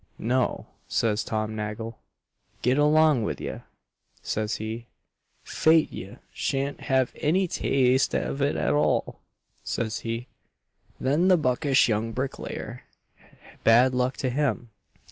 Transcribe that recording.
'No,' says Tom Nagle, 'get along wid ye,' says he 'fait ye sha'n't have any taaste of it at all,' says he. Then the buckish young bricklayer, bad luck to him!